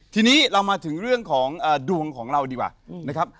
ทีนี้เรามาถึงเรื่องของดวงของเราดีกว่านะครับ